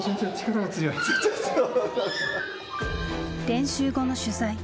練習後の取材。